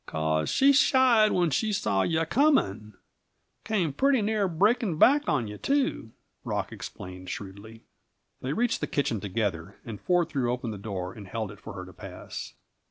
"'Cause she shied when she saw you coming. Came pretty near breaking back on you, too," Rock explained shrewdly. They reached the kitchen together, and Ford threw open the door, and held it for her to pass.